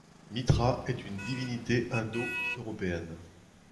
Mitra est une divinité indo-européenne.